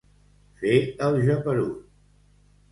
Fer el geperut.